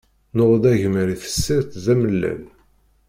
Nuɣ-d agmer i tessirt d amellal.